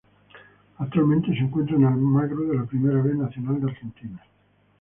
Actualmente se encuentra en Almagro de la Primera B Nacional de Argentina.